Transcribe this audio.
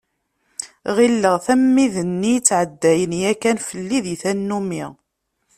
Ɣilleɣ-t am wid-nni yettɛeddayen yakan fell-i di tannumi.